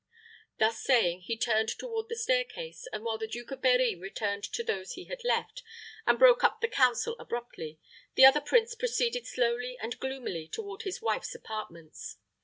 Thus saying, he turned toward the stair case, and while the Duke of Berri returned to those he had left, and broke up the council abruptly, the other prince proceeded slowly and gloomily toward his wife's apartments.